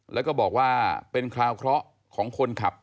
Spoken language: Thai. แล้วก็บอกว่าเป็นคราวเคราะห์ของคนขับ